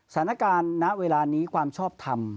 สถานการณ์ณเวลานี้ความชอบทำ